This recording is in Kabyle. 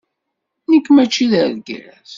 Nekk mačči d argaz!